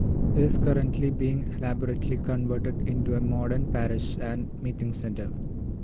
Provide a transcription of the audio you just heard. It is currently being elaborately converted into a modern parish and meeting center.